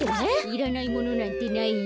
いらないものなんてないよ。